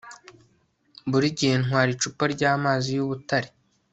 buri gihe ntwara icupa ryamazi yubutare